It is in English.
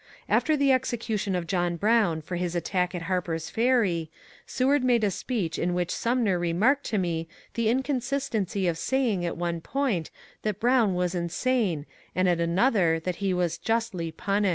After the execu tion of John Brown for his attack at Harper's Ferry, Seward made a speech in which Sumner remarked to me the incon sistency of saying at one point that Brown was insane and at another that he was ^* justly punished."